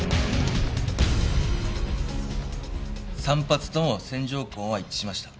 ３発とも線条痕は一致しました。